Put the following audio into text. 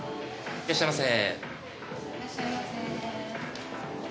いらっしゃいませ。